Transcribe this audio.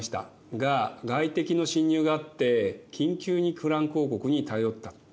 が外敵の侵入があって緊急にフランク王国に頼ったと。